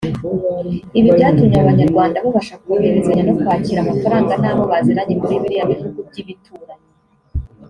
Ibi byatumye Abanyarwanda babasha kohererezanya no kwakira amafaranga n’abo baziranye muri biriya bihugu by’ibituranyi